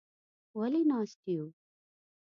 _ولې ناست يو؟